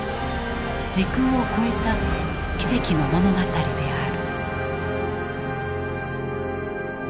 時空を超えた奇跡の物語である。